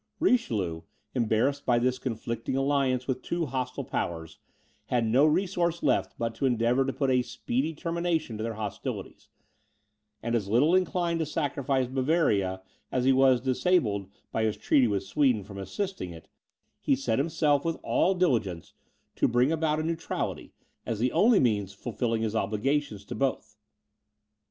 Richelieu, embarrassed by this conflicting alliance with two hostile powers, had no resource left but to endeavour to put a speedy termination to their hostilities; and as little inclined to sacrifice Bavaria, as he was disabled, by his treaty with Sweden, from assisting it, he set himself, with all diligence, to bring about a neutrality, as the only means of fulfilling his obligations to both.